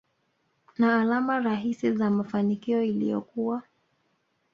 na alama rahisi za mafanikio iliyokuwa